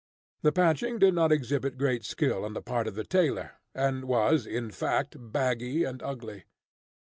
The patching did not exhibit great skill on the part of the tailor, and was, in fact, baggy and ugly.